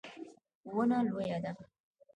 ونه لویه ده